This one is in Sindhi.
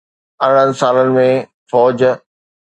ارڙهن سالن ۾ فوج